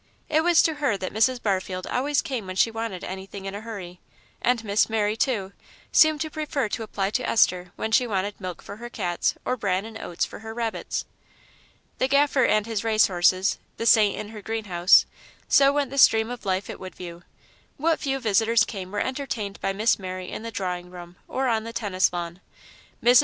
It was to her that Mrs. Barfield always came when she wanted anything in a hurry, and Miss Mary, too, seemed to prefer to apply to Esther when she wanted milk for her cats or bran and oats for her rabbits. The Gaffer and his race horses, the Saint and her greenhouse so went the stream of life at Woodview. What few visitors came were entertained by Miss Mary in the drawing room or on the tennis lawn. Mrs.